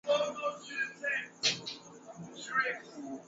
Jacob alikanyaga Mafuta hadi mwisho alichuchumaa juu ya kiti na kuruka dirishani